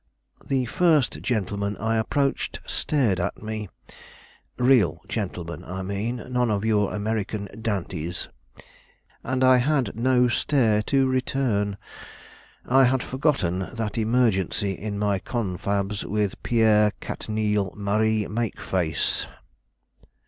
The first gentleman I approached stared at me, real gentleman, I mean, none of your American dandies, and I had no stare to return; I had forgotten that emergency in my confabs with Pierre Catnille Marie Make face."